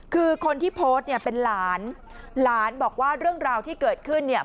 คือคนที่โพสต์เนี่ยเป็นหลานหลานบอกว่าเรื่องราวที่เกิดขึ้นเนี่ย